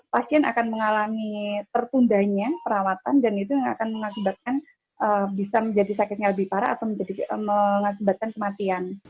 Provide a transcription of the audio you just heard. pasien akan mengalami tertundanya perawatan dan itu yang akan mengakibatkan bisa menjadi sakitnya lebih parah atau mengakibatkan kematian